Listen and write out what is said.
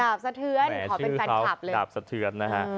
ดาบสะเทือนขอเป็นแฟนคลับเลย